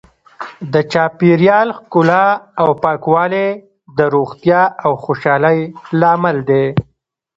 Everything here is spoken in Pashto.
د چاپیریال ښکلا او پاکوالی د روغتیا او خوشحالۍ لامل دی.